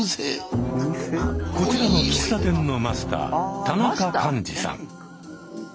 こちらの喫茶店のマスター田中完枝さん。